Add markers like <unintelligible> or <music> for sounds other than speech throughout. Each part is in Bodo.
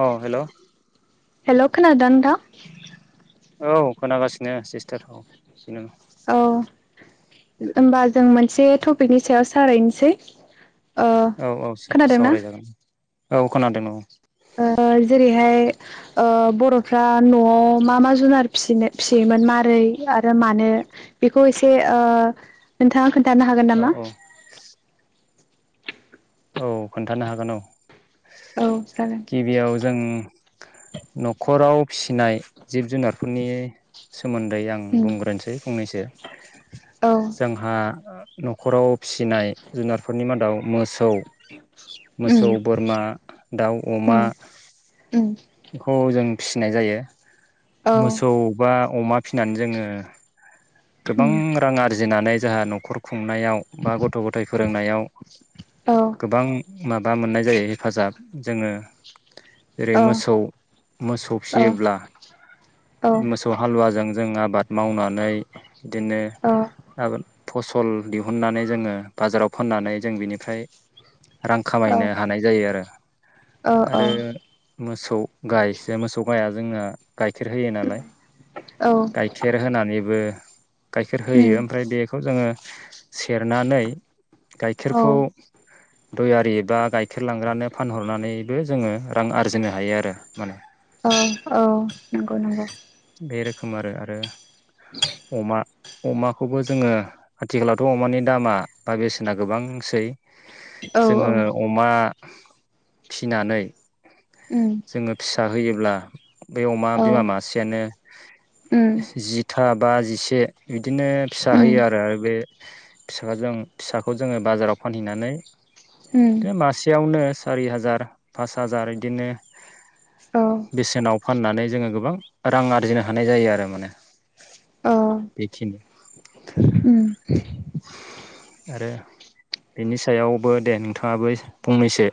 अ हेलौ हेलौ खोनादोंना नोंथां? औ खोनागासिनो सिस्टारखौ। बिनेमा औ होमबा जों मोनसे टपिकनि सायाव सारायनोसै। औ औ सार सावरायजागोन। औ खोनादों औ ओ जेरैहाय बर'फ्रा ओ न'आव मा मा जुनारिनो फिसियोमोन माबोरै आरो मानो बेखौ एसे ओ नोंथाङा खो औ औ औ खोन्थानो हागोन औ औ जागोन गिबियाव जों न'खराव फिसिनाय जिब जुनारफोरनि सोमोन्दै आं उम बुंग्रोनोसै फंनैसो औ जोंहा न'खराव फिसिनाय जुनारफोरनि मादाव मोसौ उम मोसौ बोरमा दाउ अमा उम उम बेखौ जों फिसिनाय जायो। औ मोसौ बा अमा फिसिनानै जोङो गोबां उम रां आरजिनानै जोंहा न'खरखौ खु खुंनायाव बा गथ' गथाय फोरोंनायाव औ गोबां माबा मोननाय जायो हेफाजाब जोङो जेरै औ मोसौ मोसौ फिसियोब्ला औ मोसौ हालुवाजों जों आरो आबाद मावनानै बिदिनो गाबोन फसल दिहुननानै जोङो बाजाराव फाननानै जों बिनिफ्राय रां औ खामायनो हानाय जायो आरो औ आरो गायस मोसौ गाइया जोंना गाइखेर होयो नालाय औ गाइखेर होनानैबो गाइखेर होयो उम ओमफ्राय बेखौ जोङो सेरनानै <inaudible> औ गाइखेरखौ दयारि बा गाइखेर लांग्रानो फानहरनानैबो जोङो रां आरजिनो हायो आरो माने औ औ नंगौ नंगौ। खोमारो आरो। अमा अमाखौबो जोङो आथिखालावथ' अमानि दामा बा बेसेना गोबांसै। औ जोङो औ अमा। फिनानै उम जोङो फिसा होयोब्ला बे अमा औ बिमा मासेयानो उम जिथा बा जिसे बिदि बिदिनो फिसा उम होयो आरो बे फिसाखौ जों फिसाखौ जोङो बाजाराव फानहैनानै उम बिदिनो मासेयावनो सारि हाजार पास हाजार बिदिनो औ बेसेनाव फाननानै जोङो गोबां रां आरजिनो हानाय जायो। आरो माने औ बेखिनि उम आरो बिनि सायावबो दे नोंथाङाबो फंनैसो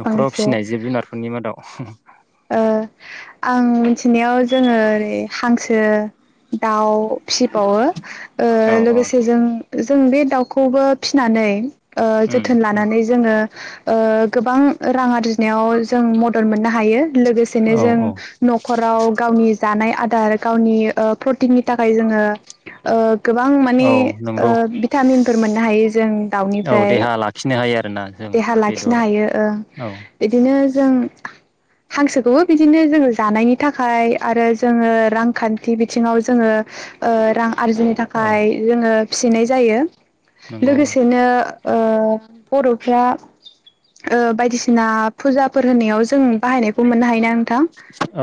न'खराव फंनैसो फिसिनाय ओ जिब जुनारफोरनि मादाव आं मिथिनायाव जोङो ओरै हांसो दाउ फिसिबावो औ औ लोगोसे जों जों बे दाउखौबो फिनानै उम जोथोन उम लानानै जोङो गोबां रां आरजिनायाव जों मदद मोननो हायो। लोगोसेनो औ जों औ न'खराव गावनि जानाय आदार गावनि प्रटिननि थाखाय जोङो गोबां माने औ नंगौ भिटामिनफोर मोननो हायो जों औ दाउनिफ्राय देहा लाखिनो हायो आरोना जों देहा लाखिनो बेदर हायो औ बिदिनो जों हांसोखौबो बिदिनो जोङो जानायनि थाखाय आरो जोङो रांखान्थि बिथिङाव जोङो रां। आरजिनो औ थाखाय जोङो फिसिनाय जायो। नंगौ लोगोसेनो बर'फ्रा बायदिसिना फुजाफोर होनायाव जों बाहायनाय खौ मोननो हायो।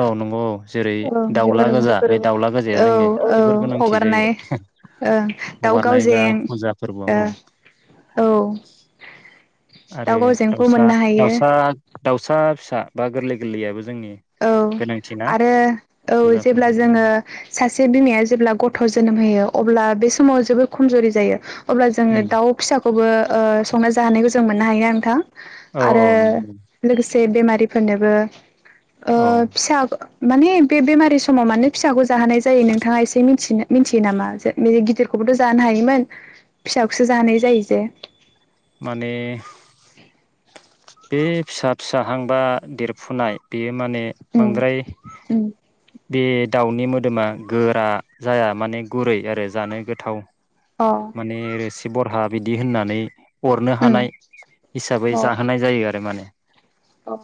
औ नंगौ औ जेरै औ दाउला बेफोरबो गोजा बे दाउला गोजाया औ जोंनि औ जोबोर गोनांथि हगारनाय जायो ओ दाउ हगारनाय बा गावजें फुजा फोरबो ओ औ औ आरो दाउ गावजेंखौ दाउसा मोननो हायो दाउसा दाउसा फिसा आं गोरलै गोरलैयाबो जोंनि औ गोनांथि ना आरो औ फुजा जेब्ला फोरबोआव जोङो सा सासे बिमाया जेब्ला गथ' जोनोम होयो अब्ला बे समाव जोबोर खमजुरि जायो अब्ला जोङो दाउ फिसाखौ खौबो ओ संना जाहोनायखौ जों मोननो हायो नोंथां औ आरो औ नंगौ लोगोसे जे बेमारिफोरनोबो ओ औ फिसा माने बे-बेमारि समाव मानो फिसाखौ जाहोनाय जायो नोंथाङा एसे मिथिनो मिथियो नामा जे बि गिदिरखौबोथ' जानो हायोमोन फिसाखौसो जानाय जायो जे माने बे फिसा फिसाहांबा देरफुनाय बेयो माने उम बांद्राय उम बे दाउनि मोदोमा गोरा जाया माने गुरै आरो जानो गोथाव अ माने सिशबरहाट बिदि होननानै अरनो उम हानाय हिसाबै अ जाहोनाय जायो आरो माने अ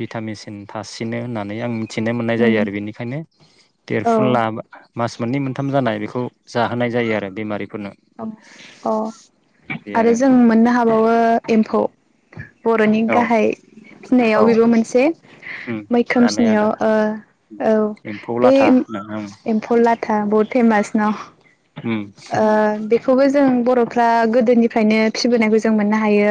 भिटामिसिन थासिनो होननानै आं मि थिनो मोननाय जायो आरो बेनिखायनो देरफुन ला मास मोननै मोनथाम जानाय बेखौ जाहोनाय जायो आरो बेमारिफोरनो अ आरो जों मोननो हाबावो एम्फौ बर'नि औ गाहाय फिनायाव औ बेबो मोनसे उम मैखोम जानाय फिनायाव आदार ओ औ एम्फौ बे लाथा होनो एम्फौ लाथा ब फेमास न उम बेखौबो जों बर'फ्रा गोदोनिफ्रायनो फिबोनायखौ जों मोननो हागायो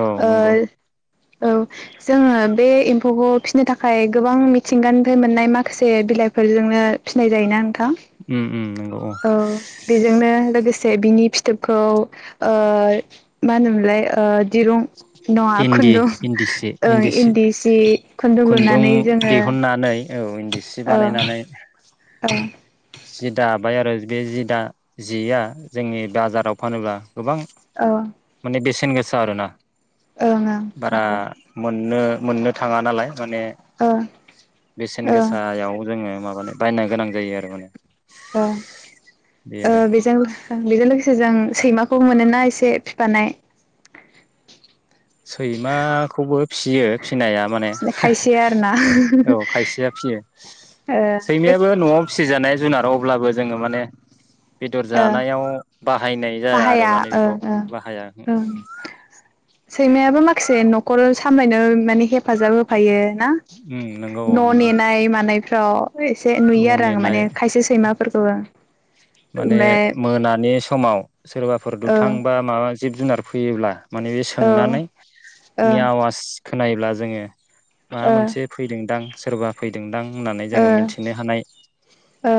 औ नंगौ ओ औ जोङो बे एम्फौखौ फिसिनो थाखाय गोबां मिथिंगानिफ्राय मोननाय माखासे बिलाइफोरजोंनो फिसिनाय जायोना नों थां उम उम नंगौ औ बेजोंनो लोगोसे बिनि फिथोबखौ ओ मा होनोमोनलाय ओ दिरुं नङा इन्दि खुन्दुं इन्दि सि ओं इन्दि सि खुन्दुं लुनानै जोङो दिहुननानै औ इन्दि सि ओ बानायनानै ओ जि दाबाय आरो बे जि दा जिया जोंनि बाजाराव फानोब्ला गोबां ओ माने बेसे सेन गोसा आरोना। ओं ओं बारा नंगौ मोन नुनो मोननो थाङा नालाय। माने ओ बेसेन ओ गोसायाव जोङो माबानो बायनो गोनां जायो आरो माने। ओ बे आरो बेजों बेजों लोगोसे जों सैमाखौ मोन ना एसे फिफानाय। सैमाखौबो फिसियो फिनाया माने खायसे आरोना औ खायसेया फियो ओ बे सैमायाबो न'आव फिसिजानाय जुनाराव अब्लाबो जोङो माने बेदर ओ जानायाव बाहायनाय जाया आरो बाहाया माने ओं बेखौ ओं बाहायाखै। खासे न'खर सामलायनो माने हेफाजाब होफायो। ना उम नंगौ न' औ नंगौ नेनाय मानायफ्राव एसे नुयो न' आरो आं माने नेनाय खायसे सैमा फोरखौबो माने मोनानि समाव सोरबा फोर ओ दुथांबा माबा जिब जुनार फैयोब्ला माने औ ओ सोंनानै बिनि ओ आवास खोनायोब्ला जोङो माबा मोनसे फैदोंदां सोरबा फैदोंदां होननानै जोङो ओ मिथिनो हानाय ओ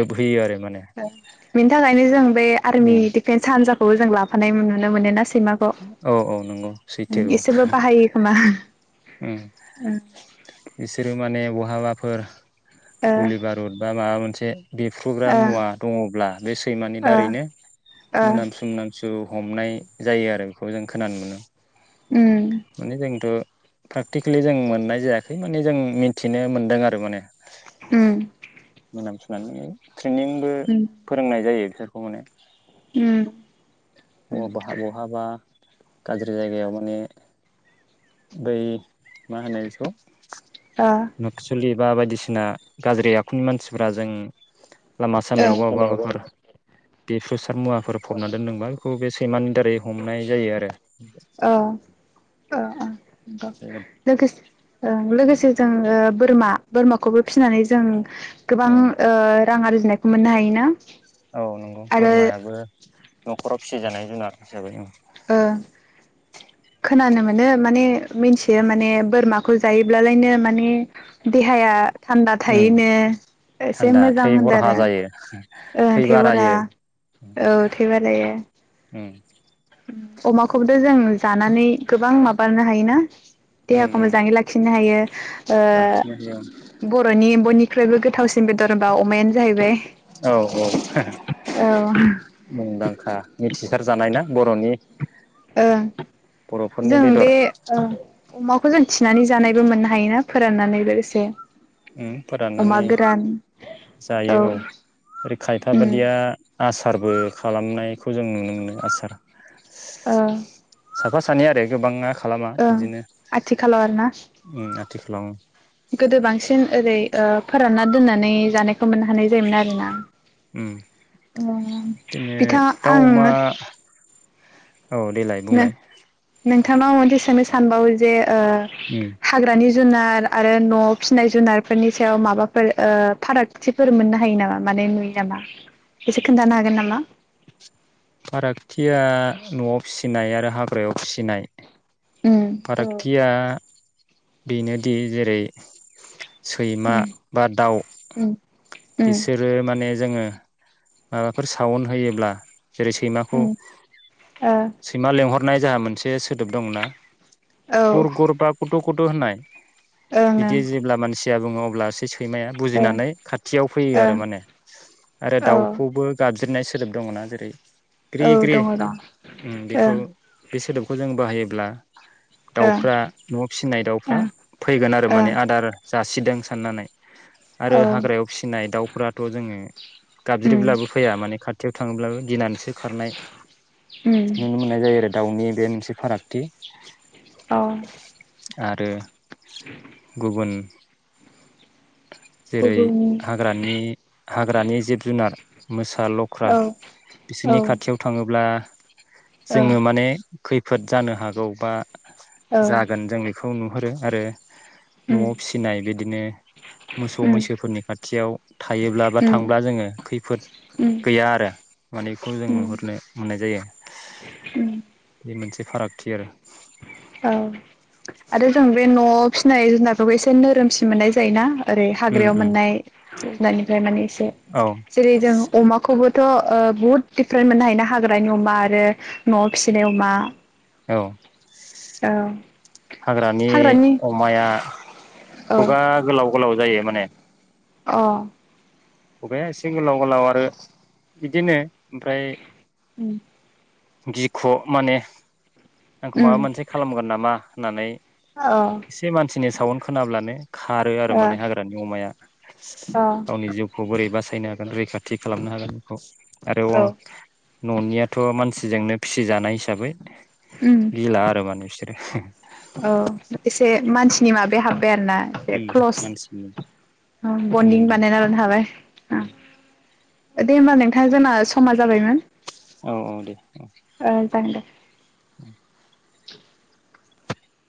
दोबहोयो आरो माने। बेनि थाखायनो जों बे आर्मि उम डिफेन्स हान्जाखौबो जों लाफानाय मोनो। नुनो मोनोना? सैमाखौ औ औ नंगौ सैथो औ इसोबो बाहायो खोमा। उम ओ बिसोरो माने बहाबाफोर गुलि बारुद बा माबा मोनसे ए बेफ्रुग्रा ओ मुवा दङब्ला बे सैमानि ओ दारैनो ओ मोनामसु मोनामसु औ हमनाय जायो आरो बेखौ जों खोनानो मोनो उम माने जोंथ' प्रेकटिकेलि जों मोननाय जायाखै माने जों मिथिनो मोन्दों आरो माने ओम मोनाम सुनानै ट्रेनिंबो फोरोंनाय जायो बिसोरखौ माने उम बबाहा बहाबा गाज्रि जायगायाव माने दै मा होनो इदिखौ नक्सलि बा बायदिसिना गाज्रि आखुनि मानसिफोरा जों लामा सामायावबा ओ ओ बहाबाफोर बेफोरसो मुवाफोर फबना दोनदोंबा बे सैमानि दारै हमनाय जायो आरो बेबायदि। लोगो ओं लोगोसे जोङो बोरमा बोरमाखौबो फिसिनानै जों गोबां ओ रां आरजिनायखौ मोननो हायोना औ नंगौ आरो बोरमायाबो न'खराव फिसि जानाय जुनार हिसाबै ओं ओ खोनानो मोनो माने मिन्थियो माने बोरमाखौ जायोब्लालायनो माने देहाया थान्दा थायो नो एसे थान्दा मोजां थै होनदों बरहा आरो जायो ओं थै थैबारा बारायो औ थैबारायो अमाखौबोथ' जों जानानै गोबां माबानो हायोना उम देहाखौ उम मोजाङै लाखिनो हायो ओ लाखिनो हायो बर'नि बयनिख्रुइबो गोथावसिन बेदर होनबा अमायानो जाहैबाय औ औ ओ मुंदांखा थिसार जानाय ना बर'नि ओं बर'फोरनि जों बेदर बे ओ अमाखौ जों थिनानै जानायबो मोननो हायोना फोराननानै लोगोसे ओम अमा फोराननानै गोरान औ जायो औ खायथा उम बादिया आसारबो खालामनायखौ जों नुनो मोनो आसार ओ साफा सानै आरो गोबाङा खालामा ओं बिदिनो आथिखालाव आरोना थि खालामो गोदो बांसिन ओरै ओ फोरानना दोननानै जानायखौ मोननो हानाय जायोमोन आरो ना। उम ओ बिदिनो बिथाङा दाउ आं अमा औ देलाय बुंलाय थांनाव मोनसे सोंनो सानबावो जे ओ उम हाग्रानि जुनार आरो न'आव फिसिनाय जुनारफोरनि सायाव माबाफोर ओ फारागथिफोर मोननो हायो नामा माने नुयो नामा एसे खोनथानो हागोन नामा? फारागथिया न'आव फिसिनाय आरो हाग्रायाव फिसिनाय उम फारागथिया बेनोदि जेरै सैमा उम बा दाउ उम बिसोरो माने जोङो माबाफोर सावुन होयोब्ला जेरै सैखौ उम उम ओ औ सैमा लेंहद हरनाय जोंहा मोनसे सोदोब दं ना ओं गुर-गुरबा गुद गद' गद' होन्नाय बिदि ओं जेब्ला मानसि सिया बुङो अब्ला एसे सैमाया ओ बुजिनानै खाथियाव फैयो आरो ओं माने आरो औ दाउ गाबज्रिनाय सोदोब दङ ना जेरै ग्रि औ ग्रि दङ दं उम बेखौ ओं बे सोदोबखौ जों बाहायोब्ला। ओं दाउफ्रा न'आव फिसिनाय दाउफ्रा ओं फैगोन आरो ओं माने आदार जासिदों साननानै आरो औ हाग्रायाव फिसिनाय दाउफोराथ' जोङो उम गाबज्रिब्लाबो फैया माने खाथियाव थाङोब्लाबो गिनानैसो ओंखारनाय उम नुनो मोननाय जायो आरो दाउनि बे मोनसे फारागथि औ आरो गुबुन <inaudible> जेरै गुबुन हाग्रा हाग्रानि जि <unintelligible> मोसा लख्रा औ ओ बिसोरनि खाथियाव थाङोब्ला औ जोङो माने खैफोद जानो हागौ बा उम जागोन जों बे खौ नुहुरो आरो उम न'आव फिसिनाय बिदिनो मोसौ उम मैसोफोरनि खाथियाव थायोब्ला बा उम थांब्ला जोङो खैफोद गैया आरो मानेखौ जों उम नुहुरनो मोननाय जायो उम बे मोनसे फारागथि आरो औ आरो जों बे न' फिसिनाय जुनारफोरखौ एसे नोरोमसिन मोननाय जायोना ओरै उम हाग्रायाव उम मोननाय <unintelligible> माने औ जेरै जों अमाखौबो थ' ओ बहुद दिडफारेन्ट मोननो हायोना हाग्रानि अमा आरो न'आव फिसिनाय अमा औ औ हाग्रानि अमाया औ खुगा गोलाव अलाव जायो माने अ खबाया एसे गोलाव गोलाव आरो बिदिनो ओमफ्राय उम गिख' माने आंखौ माबा उम मोनसे खालामगोन नामा होननानै अ ओ एसे मानसिनि सावन खोनाब्लानो खारो आरो माने हाग्रानि अमाया अ गावनि जिउखौ बोरै बासायनो हागोन रैखाथि खालामनो हागोन बेखौ आरो अ औ न'नियाथ' मानसि फिजोंनो फिसिजानाय हिसाबै ओम गिला आरो माने बिसोरो औ एसे मानसि सिनि माबाया हाब आरोना एसे क्लस मानसिनि बन्दिं सोमोन्दै बानायना लानो हाबाय दे होमबा नोंथां जोंना समा जाबायमोन औ औ दे औ औ जागोनदे <inaudible>